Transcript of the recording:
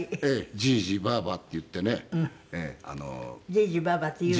「じいじばあば」って言うの？